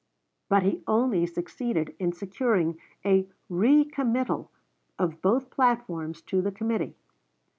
But he only succeeded in securing a recommittal of both platforms to the committee.